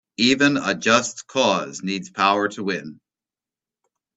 Even a just cause needs power to win.